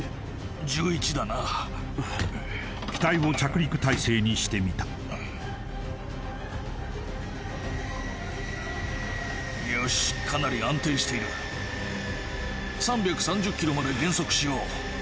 １１だな機体を着陸態勢にしてみたよしかなり安定している３３０キロまで減速しよう